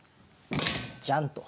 ジャンと。